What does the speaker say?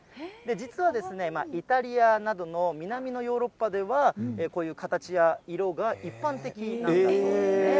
実はですね、イタリアなどの南のヨーロッパでは、こういう形や色が一般的なんだそうですね。